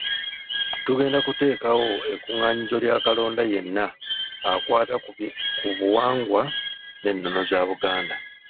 Tugenda kuteekawo ekkuŋŋaanyizo lya kalonda yenna akwata ku buwangwa n’ennono za Buganda.